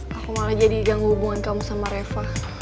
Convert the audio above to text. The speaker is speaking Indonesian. aku malah jadi ganggu hubungan kamu sama reva